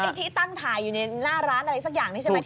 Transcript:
แล้วเป็นที่ตั้งถ่ายอยู่ในหน้าร้านหรือไหม